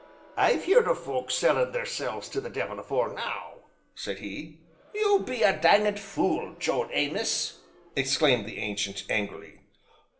"I've heerd o' folk sellin' theirselves to the devil afore now." said he. "You be a danged fule, Joel Amos!" exclaimed the Ancient angrily.